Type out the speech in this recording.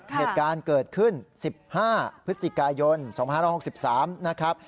เหตุการณ์เกิดขึ้น๑๕พฤศจิกายน๒๕๖๓นะครับ